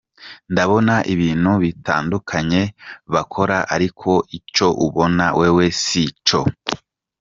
"Ndabona ibintu bitandukanye bakora, ariko ico ubuna wewe si co.